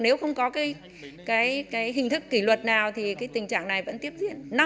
nếu không có cái hình thức kỷ luật nào thì cái tình trạng này vẫn tiếp diễn